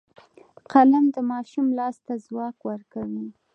قلم د ماشوم لاس ته ځواک ورکوي